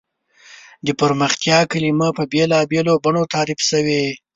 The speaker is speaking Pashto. د پرمختیا کلیمه په بېلابېلو بڼو تعریف شوې.